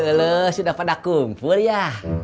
ule ule sudah pada kumpul ya